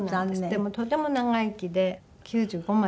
でもとても長生きで９５まで。